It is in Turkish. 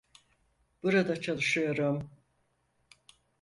Burada çalışıyorum.